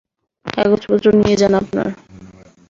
কাগজপত্র নিয়ে যান আপনার।